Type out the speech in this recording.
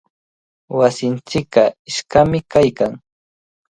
Wasinchikqa iskami kaykan.